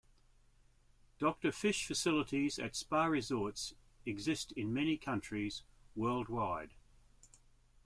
Doctor fish facilities at spa resorts exist in many countries worldwide.